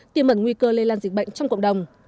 tiêm ẩn nguy cơ lây lan dịch bệnh trong cộng đồng